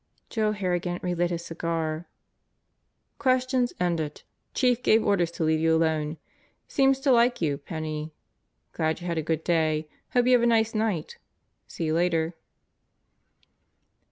Joe Harrigan relit his cigar. "Questions ended. Chief gave orders to leave you alone. Seems to like you, Penney. Glad you had a good day. Hope you have a nice night. See you later."